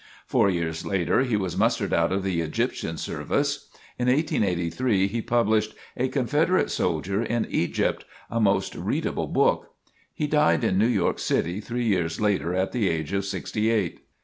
Four years later he was mustered out of the Egyptian service. In 1883 he published "A Confederate Soldier in Egypt," a most readable book. He died in New York city three years later at the age of sixty eight.